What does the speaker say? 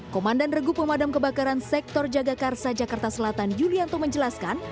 komandan regu pemadam kebakaran sektor jagakarsa jakarta selatan yulianto menjelaskan